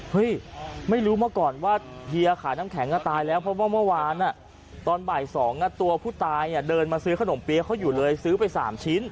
ไม่รู้มาก่อนว่าเฮียขายน้ำแข็งก็ตายแล้วเพราะว่าเมื่อวานตอนบ่าย๒ตัวผู้ตายเดินมาซื้อขนมเปี๊ยะเขาอยู่เลยซื้อไป๓ชิ้น